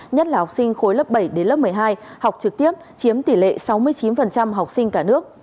nhất là học sinh khối lớp bảy đến lớp một mươi hai học trực tiếp chiếm tỷ lệ sáu mươi chín học sinh cả nước